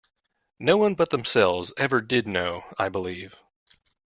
No one but themselves ever did know, I believe.